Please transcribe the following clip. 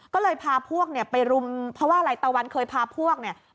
ก็เลยพาพวกเนี่ยไปรุมเพราะว่าอะไรตะวันเคยพาพวกเนี่ย